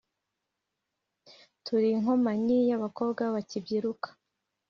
turi ikompanyi y’abakobwa bakibyiruka